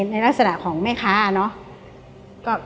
ในลักษณะของแม่ค้าเนาะ